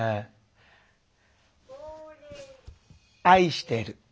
愛してる。